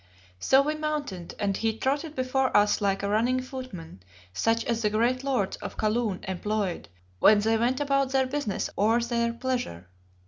So we mounted, and he trotted before us like a running footman, such as the great lords of Kaloon employed when they went about their business or their pleasure.